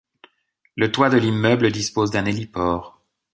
Le toit de l'immeuble dispose d'un héliport.